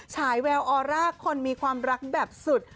ฉายแววออร่าคนมีความรักแบบสุด